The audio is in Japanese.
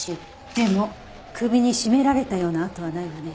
でも首に絞められたような痕はないわね。